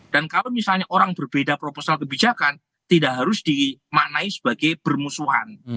dan kalau misalnya orang berbeda proposal kebijakan tidak harus dimaknai sebagai bermusuhan